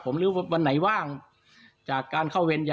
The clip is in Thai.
ผมฤ่งวันไหนว่างจากการเข้าเว